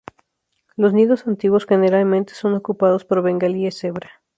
Los nidos antiguos generalmente son ocupados por bengalíes cebra.